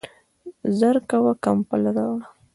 ژر کوه ، کمپل راوړه !